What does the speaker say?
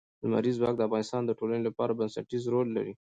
لمریز ځواک د افغانستان د ټولنې لپاره بنسټيز رول لري.